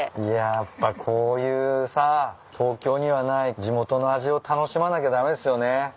いややっぱこういうさ東京にはない地元の味を楽しまなきゃ駄目ですよね。